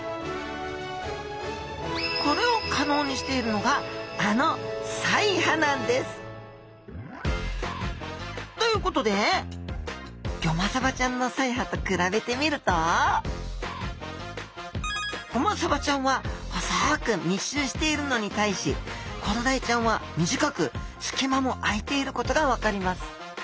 これを可能にしているのがあの鰓耙なんです。ということでゴマサバちゃんの鰓耙と比べてみるとゴマサバちゃんは細く密集しているのに対しコロダイちゃんは短く隙間も空いていることが分かります。